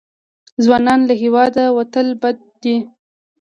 ځوانان له هېواده وتل بد دي.